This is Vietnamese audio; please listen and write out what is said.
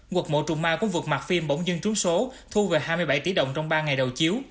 quật mộ trùng ma cũng vượt mặt phim bỗng dân trú số thu về hai mươi bảy tỷ đồng trong ba ngày đầu chiếu